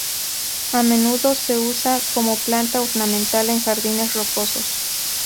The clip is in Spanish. A menudos se usan como planta ornamental en jardines rocosos.